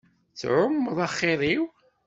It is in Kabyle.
Tettɛummuḍ axiṛ-iw.